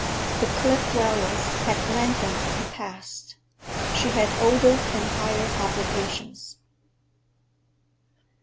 The Cliff Dwellers had lengthened her past. She had older and higher obligations.